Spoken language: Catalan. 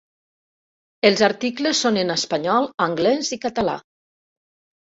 Els articles són en espanyol, anglès i català.